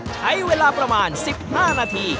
ใช้เวลาประมาณ๑๕นาที